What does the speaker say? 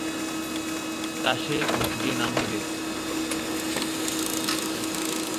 তা, সে যে নামই দাও।